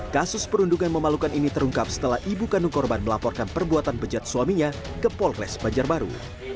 kasus perundungan memalukan ini terungkap setelah ibu kandung korban melaporkan perbuatan bejat suaminya ke polres banjarbaru